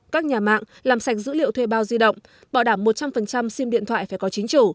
các nhà mạng làm sạch dữ liệu thuê bao di động bảo đảm một trăm linh sim điện thoại phải có chính chủ